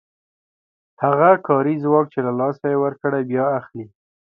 هغه کاري ځواک چې له لاسه یې ورکړی بیا اخلي